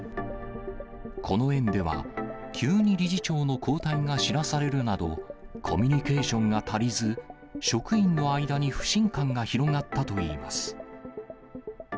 この園では、急に理事長の交代が知らされるなど、コミュニケーションが足りず、職員の間に不信感が広がったといいます。